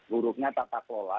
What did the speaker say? hurufnya tata kelola